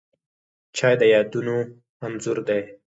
چای د یادونو انځور دی